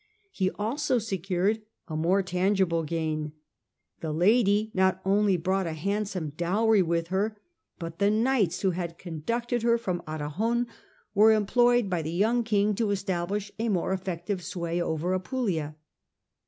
He also secured a more tangible gain. The lady not only brought a hand some dowry with her, but the knights who had conducted 32 STUPOR MUNDI her from Arragon were employed by the young King to establish a more effective sway over Apulia.